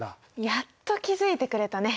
やっと気付いてくれたね。